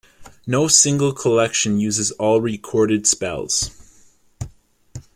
No single collection uses all recorded spells.